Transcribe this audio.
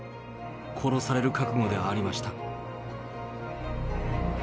殺される覚悟でありました」。